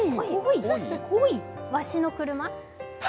わしの車？